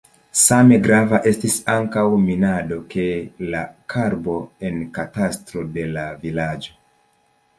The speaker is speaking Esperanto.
Same grava estis ankaŭ minado de la karbo en katastro de la vilaĝo.